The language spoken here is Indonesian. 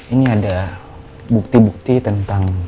ini ada bukti bukti tentang